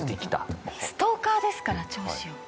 ストーカーですから張子葉は。